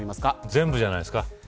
全部じゃないですか。